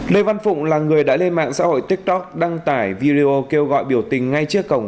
lê văn phụng là người đã lên mạng xã hội tiktok đăng tải video kêu gọi biểu tình ngay trước cổng